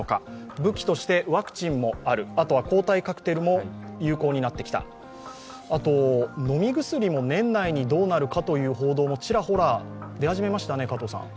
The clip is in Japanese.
武器としてワクチンもある、あとは抗体カクテルも有効になってきた飲み薬も年内にどうなるかという報道もちらほら出てきましたね。